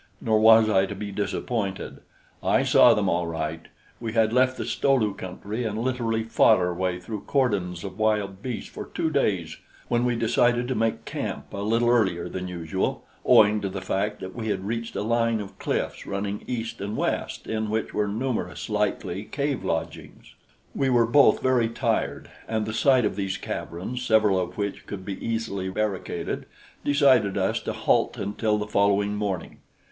Nor was I to be disappointed; I saw them, all right! We had left the Sto lu country and literally fought our way through cordons of wild beasts for two days when we decided to make camp a little earlier than usual, owing to the fact that we had reached a line of cliffs running east and west in which were numerous likely cave lodgings. We were both very tired, and the sight of these caverns, several of which could be easily barricaded, decided us to halt until the following morning.